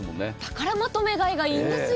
だからまとめ買いがいいんですよ。